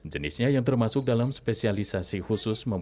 jenisnya yang termasuk dalam spesialisasi khusus